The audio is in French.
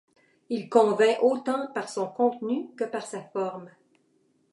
Il convainc autant par son contenu que par sa forme.